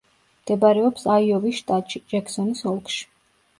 მდებარეობს აიოვის შტატში, ჯექსონის ოლქში.